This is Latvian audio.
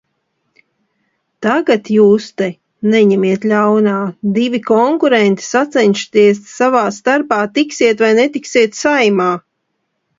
Tagad jūs te, neņemiet ļaunā, divi konkurenti sacenšaties savā starpā, tiksiet vai netiksiet Saeimā.